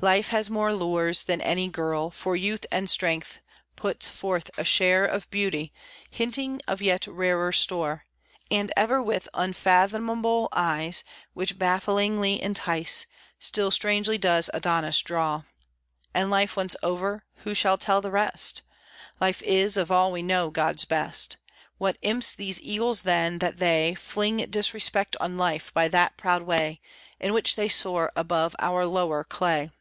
Life has more lures than any girl For youth and strength; puts forth a share Of beauty, hinting of yet rarer store; And ever with unfathomable eyes, Which bafflingly entice, Still strangely does Adonis draw. And life once over, who shall tell the rest? Life is, of all we know, God's best. What imps these eagles then, that they Fling disrespect on life by that proud way In which they soar above our lower clay.